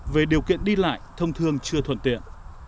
về điều kiện đi lại thông thường chưa thuận tiện